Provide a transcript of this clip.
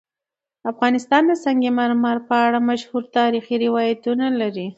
افغانستان د سنگ مرمر په اړه مشهور تاریخی روایتونه لري.